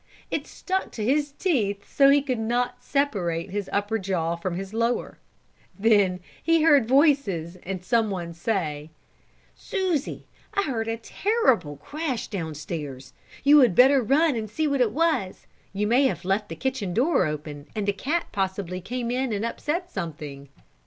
It stuck to his teeth so he could not separate his upper jaw from his lower. Just then he heard voices, and some one say: "Susie, I heard a terrible crash down stairs. You had better run down and see what it was. You may have left the kitchen door open and the cat possibly came in and upset something."